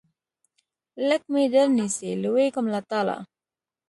لږ مې درنیسئ لوېږم له ټاله